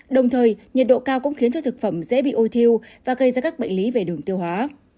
đồng thời nhiệt độ cao cũng khiến cho thực phẩm dễ bị ôi thiêu và gây ra các bệnh lý về đường tiêu hóa